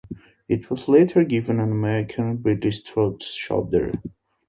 It was later given an American release through Shudder.